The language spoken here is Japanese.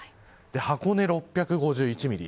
箱根６５１ミリ。